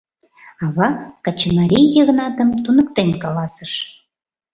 Ава качымарий Йыгнатым туныктен каласыш: